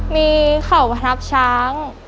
มีเขาพนับช้าง